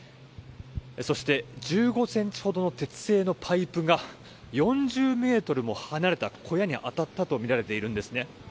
そして、１５ｃｍほどの鉄製のパイプが４０ｍも離れた小屋に当たったとみられているんです。